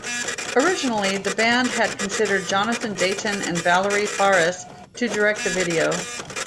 Originally, the band had considered Jonathan Dayton and Valerie Faris to direct the video.